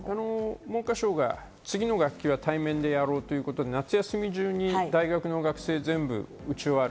文科省が次の学期は対面でやろうと、夏休み中に大学の学生、全部打ち終わる。